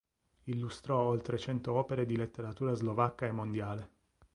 Illustrò oltre cento opere di letteratura slovacca e mondiale.